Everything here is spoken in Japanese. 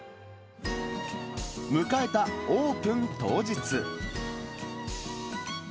迎えたオープン当日。